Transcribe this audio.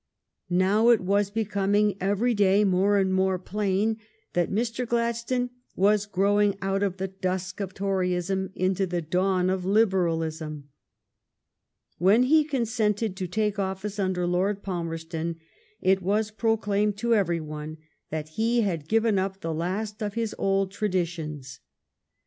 Now it was becoming every day more and more plain that Mr. Gladstone was growing out of the dusk of Toryism into thje dawn of Liberalism. When he consented to take office under Lord Palmerston, it was proclaimed to every one that he had given up the last of his old traditions.